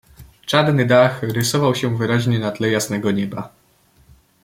"Czarny dach rysował się wyraźnie na tle jasnego nieba."